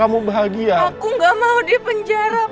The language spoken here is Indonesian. aku gak mau di penjara pa